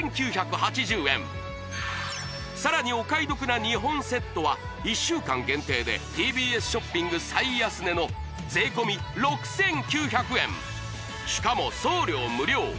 ４９８０円さらにお買い得な２本セットは１週間限定でＴＢＳショッピング最安値の税込６９００円しかも送料無料